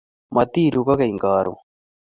Matiruu kokeny karon